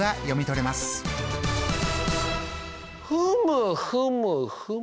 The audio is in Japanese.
ふむふむふむ。